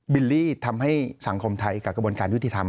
ิลลี่ทำให้สังคมไทยกับกระบวนการยุติธรรม